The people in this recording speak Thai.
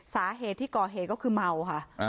สาเหตุที่ก่อเหตุก็คือเมาค่ะ